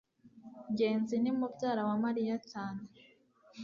ngenzi ni mubyara wa mariya cyane